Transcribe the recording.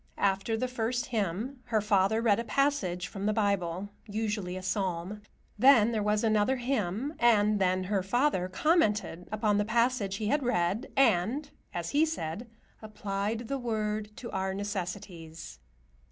After the first hymn her father read a passage from the Bible, usually a Psalm. Then there was another hymn, and then her father commented upon the passage he had read and, as he said, "applied the Word to our necessities."